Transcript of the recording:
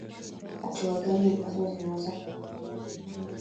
hatua gani ambazo tunaweza kupiga